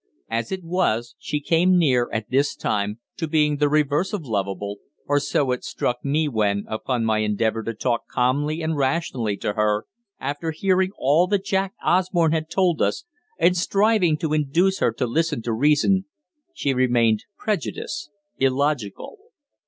As it was she came near, at this time, to being the reverse of lovable, or so it struck me when, upon my endeavour to talk calmly and rationally to her after hearing all that Jack Osborne had just told us, and striving to induce her to listen to reason, she remained prejudiced, illogical.